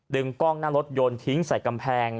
กล้องหน้ารถยนต์ทิ้งใส่กำแพง